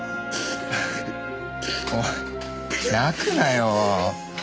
おい泣くなよ。